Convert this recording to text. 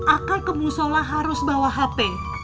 akang kemusola harus bawa hp